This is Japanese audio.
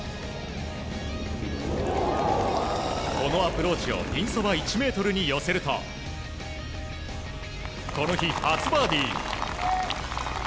このアプローチをピンそば１ｍに寄せるとこの日、初バーディー。